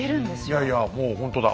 いやいやもうほんとだ。